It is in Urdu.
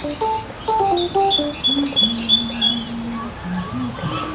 ہمیں آگے بڑھ کر دائرے کے اس سفر کو روکنا چاہیے۔